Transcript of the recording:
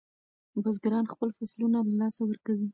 بزګران خپل فصلونه له لاسه ورکوي.